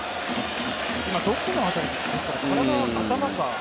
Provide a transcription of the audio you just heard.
今、どこに辺りですかね、体、頭か。